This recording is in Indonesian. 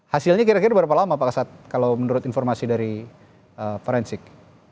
hasilnya kira kira berapa lama pak kasat kalau menurut informasi dari forensik